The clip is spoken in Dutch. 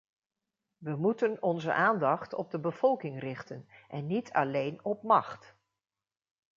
We moeten onze aandacht op de bevolking richten en niet alleen op macht.